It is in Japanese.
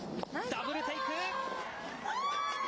ダブルテイク。